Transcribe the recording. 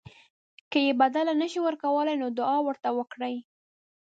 که یې بدله نه شئ ورکولی نو دعا ورته وکړئ.